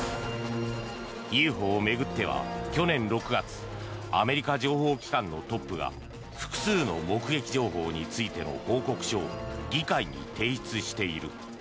ＵＦＯを巡っては去年６月アメリカ情報機関のトップが複数の目撃情報についての報告書を議会に提出している。